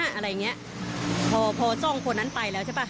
อะไรอย่างเงี้ยพอพอจ้องคนนั้นไปแล้วใช่ป่ะ